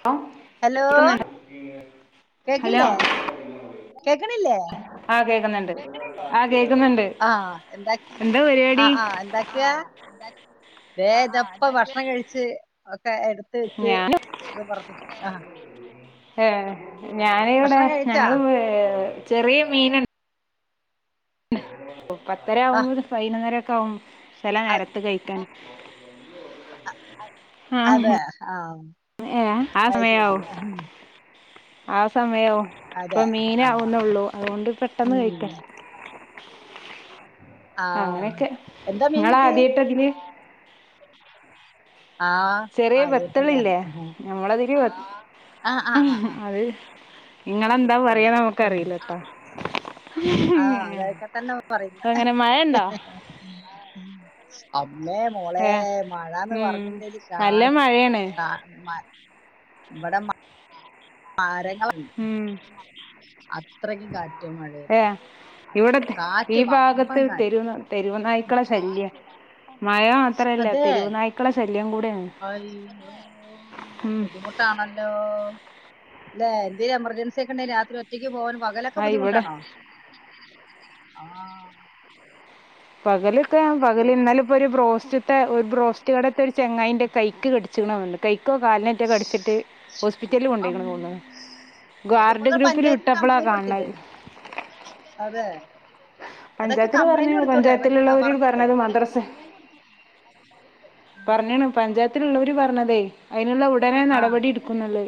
ഹ hello ക്ക്ന്ന്ണ്ടോ കേക്കില്ലേ കേക്കണില്ലേ ക്ന്നുണ്ട് [unintelligible] ആഎന്ത പരിപാടി ആഹ് ആഹ് എന്താക്കെയാ വേ ഇതപ്പ ഭക്ഷണം കഴിച്ച് എടുത്ത് വെച്ച് ഞാൻ ഇത് പറഞ്ഞ് ആ ഏ ഞാന് വിടെ കഴിച്ചാ ഞങ്ങള് ഏ ചെറിയ മീനണ്ട് ഓ പത്തര ആഹ് ആവുമ്പോത് പൈനൊന്നര ക്കെ ആവു ചെല നേരത്ത് കയ്ക്കാൻ [inaudible] അതെ ആ ഏ ആ സമയാവും ആ സമയ യോ അതെ ഇപ്പ ആഹ് മീനാവുന്നൊള്ളൂ അതുകൊണ്ട് പെട്ടന്ന് ഉം കയിക്ക ആഹ് അങ്ങനെക്കെ എന്താ മീൻ കിട്ടി ങ്ങളാദ്യായിട്ടതില് ആഹ് ചെറിയ അതേ തന്നെ വെത്തളില്ലേ ആഹ് ഞമ്മളതില് ആഹ് ആഹ് ആഹ് അത് ങ്ങളെന്താ പറയാ എടുത്തതി നമുക്കറിയില്ലട്ട ആ അതേക്കെ തന്നാവും പറയുന്നെ അങ്ങനെ മഴ ഉണ്ടോ മ്മേ മോളെ ഏഹ് മഴാന്ന് ഉം പറഞ്ഞ്ണ്ടേല് കാ നല്ല മഴയാണ് ക മ ഇവിടെ മ [unintelligible] ഉം അത്രയ്ക്ക് കാറ്റ് മഴേന്നെ ഇവിടത്തെ ഈ ഭാഗത്ത് തെരു തെരുവ്നായ്ക്കളെ ശല്യം അതെ നായ്ക്കളെ ശല്യം കൂടെയാണ് അയ്യോ ഉം ബുദ്ധിമുട്ടാണല്ലോ ല്ലെ ന്തേ എമർജൻസി ക്കെണ്ടെ രാത്രി ഒറ്റക്ക് പോവാൻ പകലൊക്കെ ആഹ് ഇവിടെ ബുദ്ധിമുട്ടാണോ ആ പകല്ക്കെ അയ്യോ പകല് ഇന്നാലെപ്പൊര് പോസ് ത്തെ ഒരു ബ്രോസ്റ്റ് കടേത്തെ ഒരു ചങ്ങായീന്റെ കൈക്ക് കടിച്ചീണ [inaudible] ക്കോ കാലിനറ്റൊ കടിച്ചിട്ട് ഹോസ്പിറ്റലില് കൊണ്ടൊയ്ക്കണ അമ്മോ. [unintelligible] ഇപ്പൊ ഗ്വാർഡ് നിങ്ങൾ ഗ്രൂപ്പില് പഞ്ചായത്തിൽ വിട്ടപ്പളാ കംപ്ലൈന്റ് കാണ് കൊടുത്തില്ലേ ണര് അതെ അതൊക്കെ പഞ്ചായത്തില് പറഞ്ഞ് കംപ്ലൈന്റ് കൊടുത്തൂടെ പ- ആ, പഞ്ചായത്തിലുള്ളവര് പറഞ്ഞില്ലേ പറഞ്ഞത് മദ്രസ ആ പറഞ്ഞാണ് പഞ്ചായത്തില്ള്ളവര് പറഞ്ഞതെ അയ്നുള്ള ഉടനെ നടപടി എടുക്കുന്നുള്ള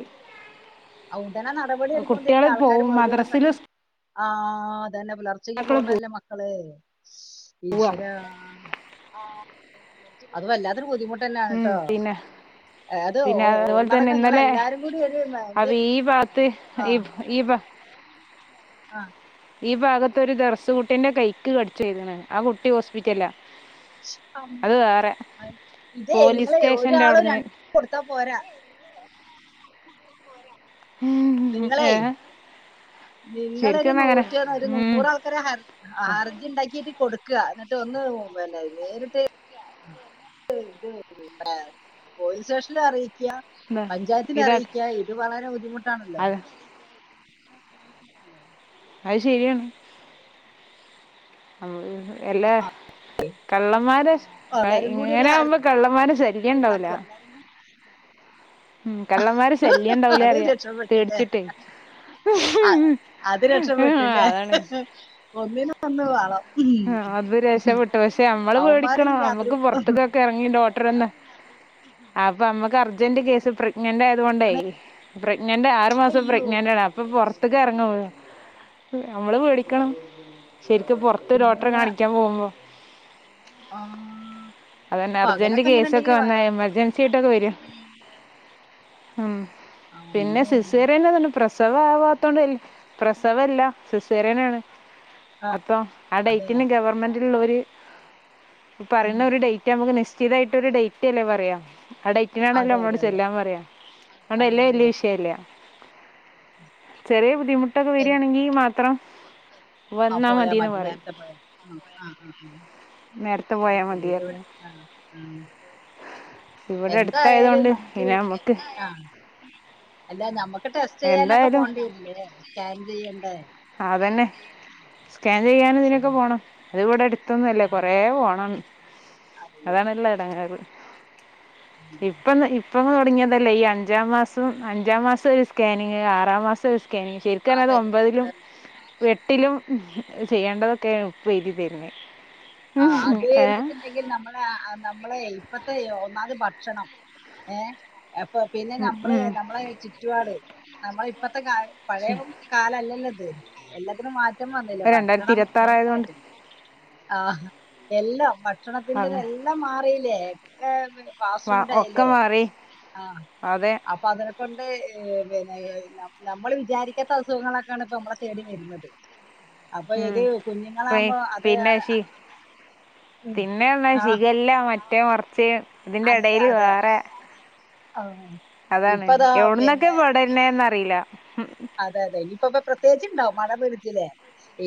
അവിടനെ നടപടി എടുക്കുമെ കുട്ടികള് ആൾക്കാാര് പോവും ഭോജികളം മദ്രസയില് കണ്ടു ആഹ അതന്നെ പുലർച്ചേക്ക് മക്കള് പോുന്നല്ലേ മക്കള പോവാ ഈശ്വരാ അത് വല്ലാത്തൊരു ബുദ്ധിമുട്ട് തന്നെയാണ് ഉം ട്ടോ പിന്നെ ഏ അത് പിന്നെ അതുപോലെ ഒന്നടക്ക തന്നെ നിങ്ങള ഇന്നലെ എല്ലാരും കൂടി ഒരു അവ എന്ത് ഈ ഭാഗത്ത് ഈ ആഹ ഈ ഭാ ഈ ഭാഗത്ത ഒരുരു ദറർസ് കുട്ടീന്റെ കൈക്ക് കടിച്ചു പൊയ്ക്ക്ന്ന് ആ കുട്ടി ഹോസ്പിറ്റലാ അത് വേറെ ആ ഇതേ പോലീസ് നിങ്ങള് സ്റ്റേഷന്റെ ഒരാള് അവിടുന്ന് രണ്ട കൊടുത്ത പോരാ നിങ്ങളേ ഏ നിങ്ങൊരു ശരിക്കും അങ്ങനെ നൂറ്റ ഒരു ഉം നൂറ ആൾക്കർ ഹർജി ഉണ്ടാക്കിട്ട് കൊടുക്കുക എന്നിട്ട് ഒന്ന് പിന്നെ നേരിട്ട് ഇത പോലീസ് സ്റ്റേഷന അറിയി- ഇതാ പഞ്ചായത്തില ഇതാ അറിയിക്ക ഇത് വളരെ ബുദ്ധിമുട്ടാണല്ലോ അത് അത് ശരിയാണ് എല്ലാ കള്ളന്മാര് ക എല്ലാരും കൂടി ഒരു ഇങ്ങനെ ഹ- ആകുമ്പോ കള്ളന്മാര ശല്യം ഇണ്ടാവൂല ഉം കള്ളന്മാര് ശല്യം ഉണ്ടാവൂലേ അറിയ തേടിച്ചിട്ടേ ആ അത് ആഹ് രക്ഷപെട്ടില്ലേ അതാണ് ഒന്നിനും ഒന്ന് വേണം ആ അത് രക്ഷപ്പെെട്ടു പക്ഷെ നമ്മള് അവന്മാരും പേടിക്കണം രാത്രി നമ്മുക്ക് പുറത്തക്കൊക്കെ ഇറങ്ങിണ്ടോ അപ്പൊമ്മക്ക് അർജന്റ് കേസ് [unintelligible] പ്രഗ്നന്റ് ആതുകൊണ്ടേ പ്രഗ്നന്റ് ആറു മാസം അയ്യോ പ്രഗ്നന്റ് ആണ് അപ്പൊറ ഒ ഇറങ്ങ നമ്മള് പേടിക്കണം ശരിക്ക് ലോട്ടറി കാണിക്കാൻ പോകുമ്പോ ആഹ അതന്നെ അർജന്റ് കേസൊക്കെ വന്നാ എമർജൻസി ബുദ്ധിമുട്ടാ ആയിട്ടൊക്കെ വരും ഉം. ഉം പിന്നെ അമ്മേ സീസറിയൻ തോണ്ട് പ്രശ് പ്രസവ ആവാത്തൊണ്ട് പ്രസവല്ല സീസറിയൻ ആണ് അപ്പം ആ അതെ ഡേറ്റിന് ഗവൺമെൻറ്റുള്ള ഓര് ഉം പറയുന്ന ഒരു ഡേറ്റ്ണ് നമുക്ക് നിഷ് സ്ഥിരായിട്ടൊ ഒരു ഡേറ്റ് അല്ലേ പറയാം ആ ടൈറ്റിനാണല്ലോ അതെ നമ്മോട് അതെ അതെ ചെല്ലാൻ പറയാ ആ, അതൊണ്ട്ല്ലേ അതെ വല്യ വിഷയല്ല. ചെറിയ ബുദ്ധിമുട്ടൊക്കെ എൻ- വരിയാണെങ്കി മാത്രം. വന്നാ പോയാ മതിന്ന് മതി പറയും. നേരത്തെ പോയ ആ ആഹ് ആ [unintelligible] ഹ് ആഹ് നേരത്തെ അരി പോയാ ശരി എവിടെ മതിയായിരുന്നു ആഹ [unintelligible] ആഹ ഇവിടെ എന്തായാലും അടുത്തായതുകൊണ്ട് നമ്മുക്ക് പിന്നെ നമ്മക്ക് ആഹ അല്ല നമ്മുക്ക് ടെസ്റ്റ് ചെയ്യാനൊക്കെ എന്തായാലും പോണ്ടി വരില്ലേ സ്കാൻ ചെയ്യണ്ടേ? സ്‌കാൻ [inaudible] ക്കെ ശരിയാ പോണം അത് ഇവിടെ എടുത്തൊന്നുംല്ലേ ആഹ് കൊറേ പോണം അയ്യോ അതാണല്ല ഇടങ്ങാറ് ഉം ഇപ്പന്ന [inaudible] ഇപ്പം തുടങ്ങിയതല്ലേ ഈ അഞ്ചാം മാസം അഞ്ചാം മാസം ഒരു സ്കാനിങ് ആറാം മാസം സ്കാ ഓക്കെ ശരിക്ക അത് അതന്നെ ഒമ്പതിലും അതന്നെ എട്ടിലും ചെയ്യേണ്ടതൊക്ക തേ ഉപ്പഎഴുതി തര്ന്നേ ആ അതന് വെച്ചിട്ടുണ്ടെങ്കിൽ നമ്മളെ നമ്മളെ ഇപ്പത്തെ ഒന്നാത് മത ഭക്ഷണം ഏ അപ്പൊ പിന്നെ ഉം നമ്മള് ഉം നമ്മളെ ചുറ്റുപാട് നമ്മള ഇപ്പ - - ഇ പഴയ കാല അല്ലല്ല അത് എല്ലാത്തിനും മാറ്റ- മാറ്റം വന്നില്ലേ രണ്ടായിരത്തി ഭക്ഷണം മെയിൻ ഇരുപത്താറായതുകൊണ്ട് ആയിട്ട്. ആ എല്ലാം ഭക്ഷണത്തിന്റെത അങ്ങ് എല്ലാം മാറിയില്ലേ? ഒക്കെ ഫാസ്‌റ്റ്‌ഫുഡിയില്ലേ മാറി ആ അതെ അപ്പൊ അതിനെക്കൊണ്ട് പിന്നെ നമ്മൾ വിചാരിക്കാത്ത അസുഖങ്ങളൊക്കാണ് ഇപ്പൊ നമ്മളെ തേടി വരുന്നത്. അപ്പൊ ഉം ഇത് പി കുഞ്ഞുങ്ങളാകുമ്പോ അത് പിന്നെ - ശി പിന്നെ ഒന്നാ ആഹ് ശീഖല്ല മറ്റേ മർച്ചേ? ഇതിന്റെ അല്ല എടയില് അതെ വേറെ ആഹ് അതാണ് ഇപ്പതാ എവിടന്നൊക്കെ പിന്നെ പടരണെന്നറിയില്ല. അതെ അതെ ഇനിയിപ്പോ ഇപ്പൊ പ്രത്യേകിച്ചുണ്ടാവോ മയ പിടിച്ചല്ലേ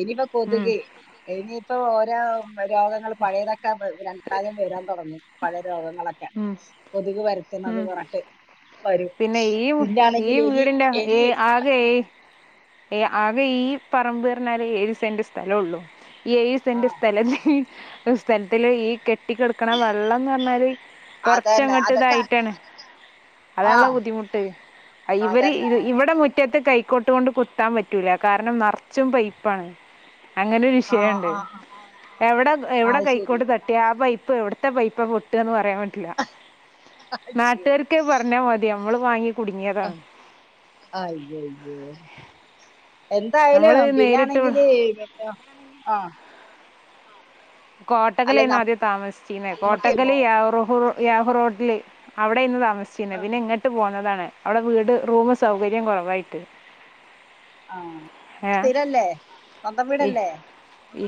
ഇനിപ്പൊ ഉം കൊതുക് ഇനി ഇപ്പൊ ഓരാ രോഗങ്ങള് പഴയതൊക്കെ രണ്ടാലം വരാൻ തൊടങ്ങും പഴേ രോഗങ്ങളൊക്കെ ഉം കെതുക് പര ത്തനത് ഉം പറ ട്ട് പിന്നെ ഈ ഈ വീടിന്റെ എ എലി ആ ഏ എ ആകെ ഈ പറമ്പ്റഞ്ഞാല് ഏഴു സെന്റ്സ്ഥലള്ളു ഈ ഏഴ് ആ സെന്റ്‌ സ്ഥല ഹ് സ്ഥലത്തില് ഈ കെ കട്ടിക്കെടുക്കണ വെള്ളംന്ന് റഞ്ഞാല് അതന്നെ കൊറച്ചങ്ങോട്ട് അതൊക്കെ ഇതായിട്ടാണ്. ആ അതാണല്ലോ ബുദ്ധിമുട്ട്‌. ഇവര് അതന്നെ ഇവിടെ മു മുറ്റത്ത് കൈക്കോട്ട് കൊണ്ട് കുത്താൻ പറ്റൂല കാരണം നെർച്ചും പൈപ്പാണ്. അങ്ങനെ ഒരു ആ വിഷയംണ്ട് ആ ആ എവിടെ എവിടെ അത് ശരി കൈക്കോട്ട തട്ടി ആ പൈ എവിടത്തെ പൈപ്പ പൊട്ടന്ന് പറയാൻ പറ്റില്ല അയ്യോ നാട്ടുകാര്ക്ക് പറഞ്ഞാ മതി നമ്മള് വാങ്ങി കുടുങ്ങിയതാണ്. അയ്യയ്യോ നമ്മൾ എന്തായാലും നേരിട്ട് പിന്നാണെങ്കില് പിന്ന ആഹ് അല്ല കോട്ടക്കലന്ന ആദ്യം താമസിച്ചിന്നേ നമുക്ക് കോട്ടക്കല് യാ യാഹു റോഡില് അവിടെന്ന് താമ താമസിച്ചിനേ പിന്നെ ഇങ്ങട്ട് പോന്നതാണ് അവിടെ വീട് റൂം സൗകര്യം കുറവായിട്ട്. ആ ഏ സ്ഥിരല്ലേ സ്വന്തം വീടല്ലേ? ഇ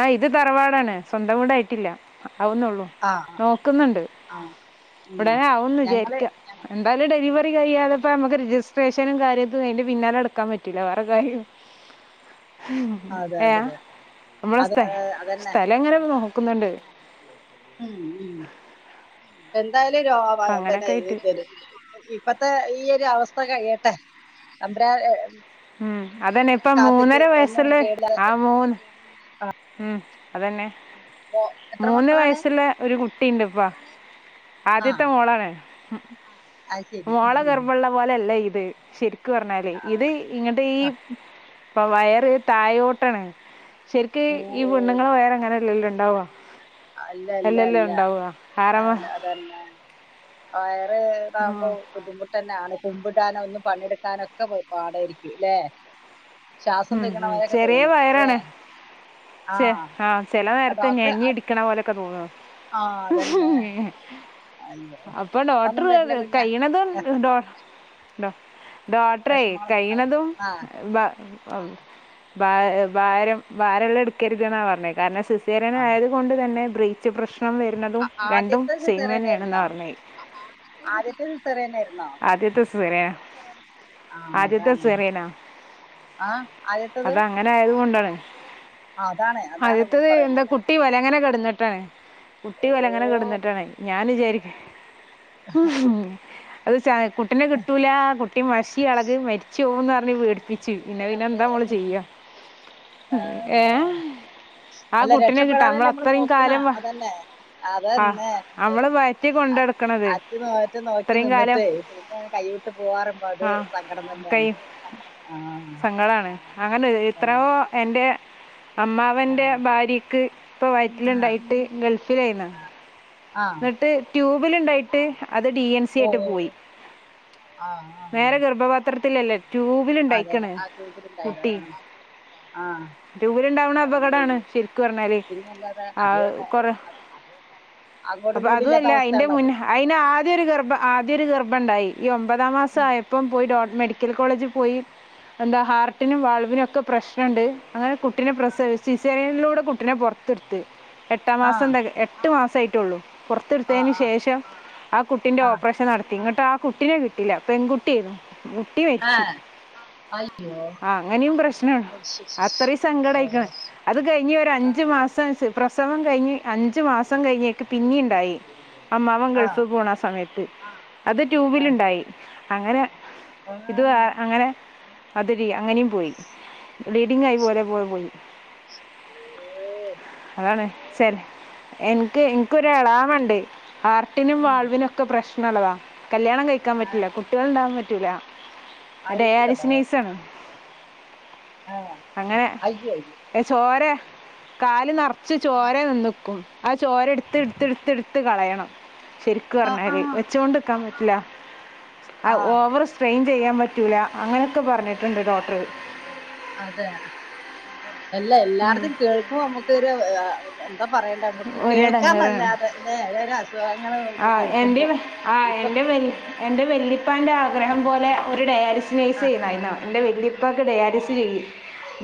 ആ ഇത് ആ ഇത്റവാടാണ് സ്വന്തം വീടായിട്ടില്ല. ആവുന്നുള്ളൂ ആ നോക്കുന്ന്ണ്ട്. ആ ഉം ഉടനെ ആവന്ന് ഞങ്ങള് വിചാരിക്ക എന്തായാലും ഡെലിവറി കഴിയാതെ പ്പ നമുക്ക് രജിസ്ട്രേഷനും കാര്യതു അയിന്റെ പിന്നാലെടുക്കൻ പറ്റൂല്ല വേറെ കാര്യം അതെ ഏ അതെ അതെ നമ്മള അത് സ്ഥേ അതന്നെ സ്ഥല എങ്ങനെ നോ ക്കുന്നുണ്ട്. ഉം ഉ എ എന്തായാലും രോഗ അപ്പൊ പിന്നെ അങ്ങനൊക്കെ ആയിട്ട് ഇപ്പത്തെ ഈ ഒരു അവസ് സ്ഥ കഴിയട്ടെ അമ്പ്ര ഉം അതന്നെ ഇപ്പ കാത്തിട്ട് മൂന്നര ഒന്നും വയസ്സില് കേടില്ല. ആ മൂന്ന് ഉം അതന്നെ എത്ര മൂന്ന് മക്കളാണ് വയസുള്ള ഒരു കുട്ടിണ്ട് ഇപ്പാ. ആ ആദ്യത്തെ മോളാണ് അത് ശരി മോള ഗർഭള്ള പോലെല്ല ഇത് ശരി ക്ക്പറഞ്ഞല് ആ ഇത് ഇങ്ങട് ഈ വയറ് തായോട്ടാണ് ശ് ക്ക് ഓ ഈ ഓ വെണ്ണുങ്ങള വറങ്ങനെല്ലല്ല ഉണ്ടാവ. അല്ല അല്ല അല്ല ആ ആറാമ അതന്നെ. വയറെ ആ ഇതാകുമ്പോ ബുദ്ധിമുട്ടന്നാണ്. കുമ്പിടാനോ ഒന്നും പണിയെടുക്കാനോ ഒക്കെ പാടായിരിക്കുല്ലെ. ശ്വാസം ഉം, ഉം. തിങ്ങണവരൊക്കെ ചെറിയ തോന്നു ഇല്ലെ. വയറാണ് ചെ ആ ചെല നേരത്ത് ഞെഞ്ഞി ഇടിക്കണ പോലെ ആ ഉ അതന്നെ [unintelligible] അയ്യോ അപ്പൊ ഡോട്ടർ ഒന്നും വരില്ല കുഞ്ഞ കയ്യിണതും ഡോ ഡോ ഡോട്ട്രെ വിഷമങ്ങളൊന്നും ഉണ്ടാവില്ല കയ്യണതും ആ ബ ബ ബാ ഭാരം ഭാരള്ള എടുക്കരുതെന്നാ പറഞ്ഞത് കാരണം സി ആ സെറിയനായതു കൊണ്ട് തന്നെ ബ്രീച്ച് പ്രശ് ഭക്ഷണം വരുന്നതും ആ- രണ്ടും ആദ്യത്തെ സിസേറിയൻ സെയിംമന്നെയണെന്ന് ആയിരുന്നോ പറിഞ്ഞായി. ആദ്യത്തെ സിസേറിയൻ ആയിരുന്നോ ആദ്യത്തെ സെറിയാ ആഹ് ആദ്യത്തെ അതാണ് സേറിയനാ ആഹ് ആദ്യത്തത് അതങ്ങന ആയത്കൊണ്ടാണ്. ആഹ് അതാണ് അതാണ് ഇപ്പൊ അടുത്തത് എന്താ പറയണത് കുട്ടി പോല അങ്ങനെ ക ന്നിട്ടാണ് കുട്ടി ഓ പോലെ അങ്ങനെ കെടുന്നിട്ടാണ് ഞാൻ വിചാരിക്ക അത് ചായ കുട്ടിനെ പേടിപ്പിച്ചു പിന്നെ പിന്നെ എന്താ നമ്മള് ചെയ്യ ആന്നെ ആ അല്ല കുട്ടിനെ കിട്ടാം നമ്മൾ രക്ഷപ്പെടാനല്ലേ നമ്മള് അത്രയും നോക്കണ കാലം വ- അതല്ലെ ആ അതന്നെ നമ്മൾ വയറ്റി കൊണ്ടെടുക്കണത് അറ്റ് നോറ്റ നോക്കി ഇത്രയും കാലം നിന്നിട്ട് പിന്നെ കൈ വിട്ട് പോവാറുമ്പോ അത് സങ്കടം തന്നെയാണ് ആഹ് സങ്കടാണ് അങ്ങനെ ഇത്രയോ എന്റെ അമ്മാവൻ്റെ ആഹ് ഭാര്യയ്ക്ക് ഇപ്പൾ ആഹ് ആഹ് വയറ്റിലുണ്ടായിട്ട് ഗൾഫിലായിന്നു ആഹ് എന്നിട്ട് ട്യൂബിൽ ഉണ്ടായിട്ട് അത് ഡി എൻ സി ഓ ആയിട്ട് ഓ പോയി ഓ ആഹ് ആഹ് വേറെ ഗർഭപാത്ര അതെ ട്യൂബിലുണ്ടായിക്കണ അതെ ആ കുട്ടി ട്യൂബിലുണ്ടായിരുന്നു ആഹ് ദൂരംണ്ടാവുന്ന അയ്യോ അപകടാണ് അയ്യോ ശരിക്ക് പറഞ്ഞാല് പിന്നല്ലാതെ ആ അത് ന- കൊറ അത് അങ്ങോട്ടും അപ്പൊ ഇങ്ങോട്ടും ഇല്ലാത്ത അതല്ല അതിന്റെ അവസ്ഥയാണല്ലോ അത് മുന്ന അയിന് ആദ്യം ഒരു ഗർഭം ആദ്യം ഒരു ഗർഭം ഉണ്ടായി ഈ ഒമ്പതാം മാസം ഉം ആയപ്പം പോയി ഡോ മെഡിക്കൽ കോളേജിൽ പോയി എന്താ ഹാർട്ടിനും വാൾവിനും ഒക്കെ പ്രശ്നമുണ്ട് അങ്ങനെ കുട്ടിനെ പ്രസവ സിസറനിലൂടെ കുട്ടിനെ പുറത്തെടുത്ത് എട്ടാം ആഹ് മാസം എട്ട് മാസം ആഹ് പുറത്തെടുത്തതിനന് ആഹ് ശേഷം ആ കുട്ടിന്റെ ആഹ് ഓപ്പറേഷൻ നടത്തി ഇങ്ങ കേട്ട ആ കുട്ടിനെ കിട്ടില്ല പെൺകുട്ടിരുന്നു കുട്ടി ആഹ് മരിച്ചു അയ് ആഹ അങ്ങനെയും പ്രശ്ന ശരി ശരി ശരി അത്രയും ഓ സങ്കടംമായിക്കണ അത് കഴിഞ്ഞഞ് ഒരു ആ അഞ്ചു മാസം പ്രസവം കഴിഞ്ഞ് അഞ്ച് മാസം കഴിഞ്ഞൊക്കെ പിന്നെയ ഉണ്ടായി അമ്മാവൻ ആ ഗൾഫ് പോകണ സമയത്ത് അത് ട്യൂബിലുണ്ടായി അങ്ങനെ ആ ഇത് ആ അങ്ങനെ അതൊരി അങ്ങനെയും പോയി ബ്ലീഡിങ് ആയി പോലെ ശരി പോലെ പോയി ഓ അതാണ് ശരി എനിക്ക് ഒരളാമുണ്ട് ആർട്ടിനും ഉം വാൾവിനൊക്കെ പ്രശ്നമളതാണ് കല്യാണം കഴിക്കാൻ ആ പറ്റൂല്ല കുട്ടികൾ ഉണ്ടാകൻ പറ്റൂല അതേ അയ്യോടാ അരിശിനൈസ ആണ് ആ അങ്ങനെ അയ്യോ അയ്യോ ഏ ചോരെ കാല നടർത്ത ച്ച് ചോര നിന്നക്കും ആ ചോര എടുത്ത്ടുത്ത്ടുത്തിടുത്ത് കളയണം ശരിക്കു ആ ആ പറഞ്ഞാല് വെച്ചൊണ്ട്ക്കാൻ പറ്റില്ല ആ ഓവർ സ്ട്രാൻ ചെയ്യാൻ പറ്റൂല അങ്ങനെയൊക്കെ പറഞ്ഞിട്ടുണ്ട് ഡോക്ടർ അതെ എല്ലാ എല്ലായിടത്തും കേൾക്കുമ്പോൾ അമ്മുകൊരുഅഹ് അതാ പറയണ്ടേ നമുക്ക് ഒരിടങ്ങേറാണ് കേൾക്കാനല്ലാതെ ല്ലേ എല്ലാവരും അസുഖങ്ങൾ ന കേൾക്കുമ്പോ ഇപ്പൊ എ എന്റെ വെല്ലിപ്പാന്റെ ആഗ്രഹം പോലെ ഒരു ഡയാലിസിനൈസ് ആ ചെയ്യുന്നായിരുന്നു എൻ്റെ വല്യുപ്പക്ക് ഡയാലിസ് ചെയ്യും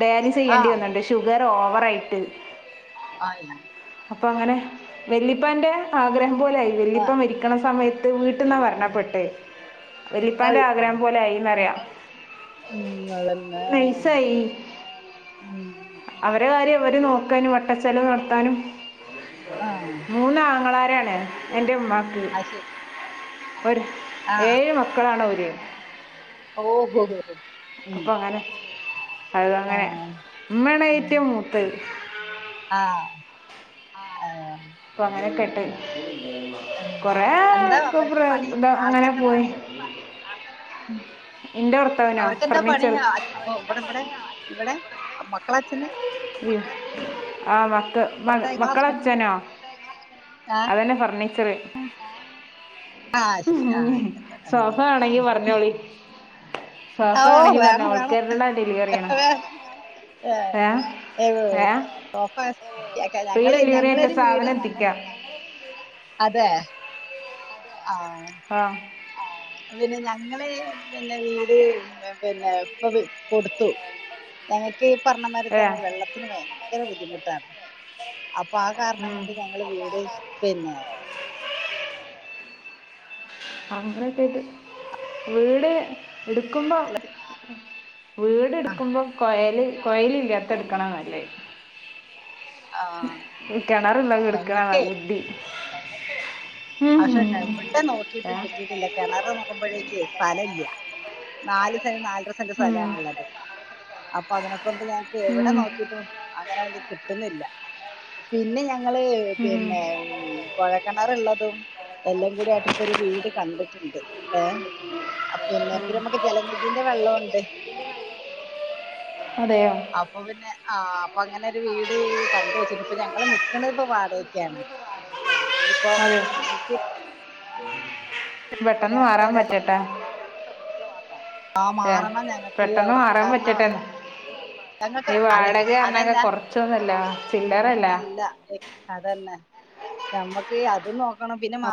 ഡയാലിസ് ആ ചെയ്യേണ്ടി വന്ന്ണ്ട് ഷുഗർ ഓവറയിട്ട് ആല്ല അപ്പോം അങ്ങനെ വല്ലിപ്പൻ്റെ ആഗ്രഹം പോലെയായി ആ, വല്ലിപ്പ മരിക്കണ സമയത്ത് അ വീട്ടന്നാ മറണപ്പെട്ടെ വല്ലിപ്പാൻ്റെ ആഗ്രഹം പോലെ ആയിന്നറിയാ ഉങ്ങന്നെ നൈസായി ഉം ഉം ഉ ക്ക് അയിന് വട്ടച്ചലവ് നടത്താനും ആ മൂന്നാങ്ങളാരാന് എ ന്റെമാക്ക് ആ ശരി ഒര് ഏഴ് മക്കളാാണ് ഓര് ഓഹോ ഓ ഉം, അപ്പൊ അങ്ങനെ ആ അതാണ് മ്മണെറ്റു മൂതേ ആഹ ആഹ പ്പൊ അങ്ങനെയൊക്കെട്ടെ എന്താ കൊറെേക്കെപ അവർക്ക് പണി എന്താ അങ്ങനെ ആൾക്കെന്താ പോയി പണി ഉം അവർക്കെന്താ പണി അഹ് ഇവിടെ ഇവ്ടെ ഇവിടെ മക്കള അച്ഛന്? ആ മക് മ ഇവിടത്തെ നിങ്ങളെ മക്കള ഹസ്ബൻഡിന് അച്ഛനോ? അതന്നെ ഫർണിച്ചറ്. ആ ശരി ഉം ആ ആയിക്കോട്ടെ സോഫ വേണെങ്കി പറഞ്ഞോളി ഓ സോഫ ആണെങ്കിൽ പറഞ്ഞോ വേണം വേണം ഓൾക്കാരുടെ ഡെലിവറി ആണ് വേണം ഏ ഏയ്‌ ഏ ഫ്രീ ഞങ്ങള് ഡെലിവറി ആയിട്ട് ഞങ്ങളത്‌ സാധനം എത്തിക്കാം അതെ ആഹ ആ പിന്നെ ഞങ്ങള് പിന്നെ വീട് പിന്നെ ഇപ്പൊ കൊടുത്തു ഞങ്ങക്ക് ഈ പറഞ്ഞമാരി ഏ തന്നെ വെള്ളത്തിന് ഭയങ്കര ബുദ്ധിമുട്ടാണ് അപ്പൊ ആ കാരണം ഉം. കൊണ്ട് ഞങ്ങൾ വീട് പിന്നേ അങ്ങനെയൊക്കായ്ട് വീട് എടുക്കുമ്പോ വീട് എടുക്കുമ്പോ കൊയല് കൊയല് ല്യാത്തട്ക്കണ നല്ലേ ആ കെണർണ്ടേ ങ്കി കെടുക്കണ ഞങ്ങൾക്കേ ബുദ്ധി ഉം. പക്ഷെ എവിടെ നോക്കിട്ടും ഏ കിട്ടിയിട്ടില്ലാ കിണർ നോക്കുമ്പോഴേക്ക് സ്ഥല ഇല്ല നാല് സെന്റ് നാലര സെന്റ് ഉം. സ്ഥലാണ്ള്ളത് അപ്പൊ അതിനൊക്കെ ഞങ്ങക്ക് എവിടെ ഉം നോക്കിട്ടും അങ്ങനെത് കിട്ടുന്നില്ല പിന്നെ ഞ ങ്ങള് ഉം. പിന്നെ കോഴക്കിണറള്ളതും എല്ലും കൂടി ആയിട്ട്പ്പൊ ഒരു വീട് കണ്ടിട്ടുണ്ട് ഏ അപിന്നേ പമ്മക്ക് ജലനിധീന്റെ വെള്ളംണ്ട് [inaudible] അതെയോ അപ്പൊ പിന്നെ ആഹ അപ്പൊ അങ്ങനെരു വീട് കണ്ടുവെച്ചിട്ട ഇപ്പൊ ഞങ്ങൾ നിക്കണതി ഇപ്പോ വാടകയൊക്യാണ് ഇനിയിപ്പോ അതെ പിന്നെ പെട്ടെന്ന് ഇവിടെ മാറാൻ രണ്ട് പറ്റട്ടെ ആ ഏ മാറണം ഞങ്ങക്ക് പെട്ടെന്ന് മാറാൻ വേണ്ടാർ പറ്റട്ടെ നാടെ ഞങ്ങൾക്ക് ഈ അത്‌ വാടക എന്നൊക്കെ അതല്ല കുറച്ചൊന്നുമല്ല ചില്ലറല്ല പിന്നല്ല അതന്നെ നമ്മക്ക് അതും നോക്കണം പിന്നെ മ